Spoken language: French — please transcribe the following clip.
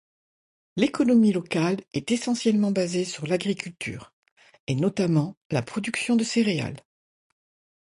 L'économie locale est essentiellement basée sur l'agriculture, et notamment la production de céréales.